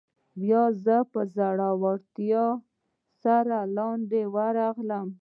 بیا زه په زړورتیا سره لاندې ورغلم.